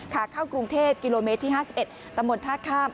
ขาเข้ากรุงเทพกิโลเมตรที่๕๑ตำบลท่าข้าม